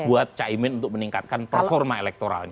buat caimin untuk meningkatkan performa elektoralnya